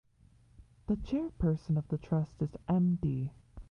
The chairperson of the trust is Md.